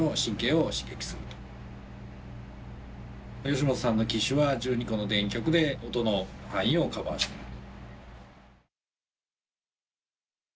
吉本さんの機種は１２個の電極で音の範囲をカバーしてると。